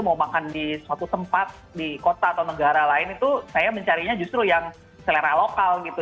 mau makan di suatu tempat di kota atau negara lain itu saya mencarinya justru yang selera lokal gitu